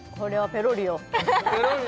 ペロリよ